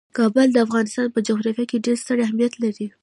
کابل د افغانستان په جغرافیه کې ډیر ستر اهمیت لري.